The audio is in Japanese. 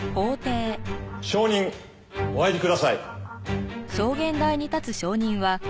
証人お入りください。